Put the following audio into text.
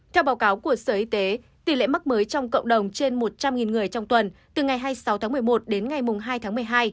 theo báo cáo của sở y tế tỷ lệ mắc mới trong cộng đồng trên một trăm linh người trong tuần từ ngày hai mươi sáu tháng một mươi một đến ngày hai tháng một mươi hai